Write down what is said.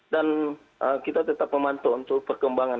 dan kita tetap memantau untuk perkembangan